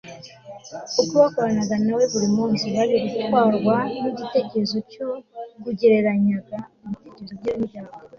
uko bakoranaga nawe buri munsi, baje gutwarwa n'igitekerezo cyo kugereranyaga ibihembo bye n'ibyabo